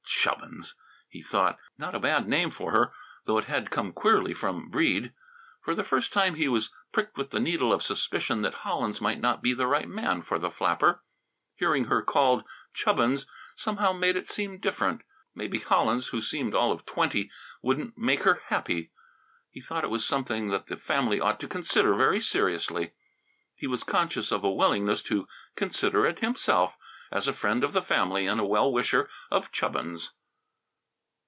"Chubbins!" he thought. Not a bad name for her, though it had come queerly from Breede. For the first time he was pricked with the needle of suspicion that Hollins might not be the right man for the flapper. Hearing her called "Chubbins" somehow made it seem different. Maybe Hollins, who seemed all of twenty, wouldn't "make her happy." He thought it was something that the family ought to consider very seriously. He was conscious of a willingness to consider it himself, as a friend of the family and a well wisher of Chubbins.